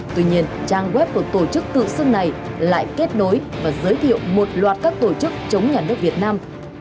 tuy nhiên trang web của tổ chức tự xưng này lại kết nối và giới thiệu một loạt các tổ chức chống nhà nước việt nam